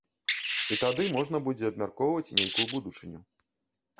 І тады можна будзе абмяркоўваць нейкую будучыню.